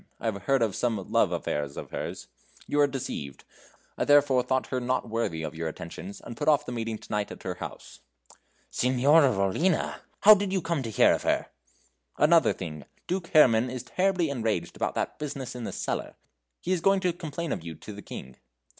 I have heard of some love affairs of hers. You are deceived I therefore thought her not worthy of your attentions, and put off the meeting to night at her house." "Signora Rollina! How did you come to hear of her?" "Another thing. Duke Herrman is terribly enraged about that business in the cellar. He is going to complain of you to the King."